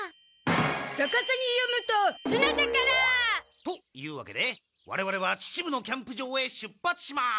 逆さに読むとツナだから！というわけで我々は秩父のキャンプ場へ出発します！